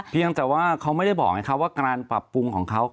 เพียงแต่ว่าเขาไม่ได้บอกไงครับว่าการปรับปรุงของเขา